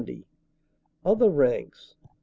2J, OTHER RANKS K.